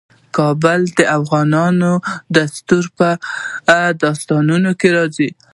کابل د افغان کلتور په داستانونو کې راځي.